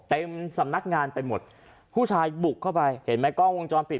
สำนักงานไปหมดผู้ชายบุกเข้าไปเห็นไหมกล้องวงจรปิด